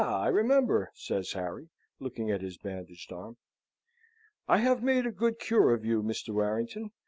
I remember," says Harry, looking at his bandaged arm. "I have made a good cure of you, Mr. Warrington.